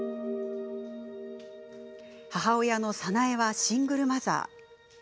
母親の早苗は、シングルマザー。